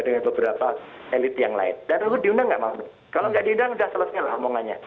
dengan beberapa elit yang lain dan ruhut diundang nggak mampu kalau nggak diundang udah selesai lah omongannya